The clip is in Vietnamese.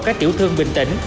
các tiểu thương bình tĩnh